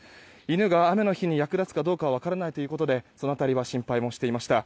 犬が雨の日に役立つかどうかは分からないということでその辺りは心配もしていました。